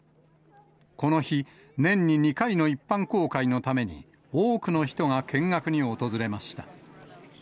この日、年に２回の一般公開のために多くの人が見学に訪れました。